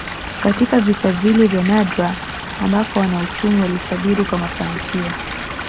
Katika visa vile vya nadra ambako wanauchumi walitabiri kwa mafanikio